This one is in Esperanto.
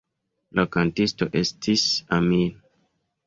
La kantisto estis Amir.